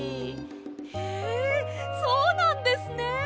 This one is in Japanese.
へえそうなんですね。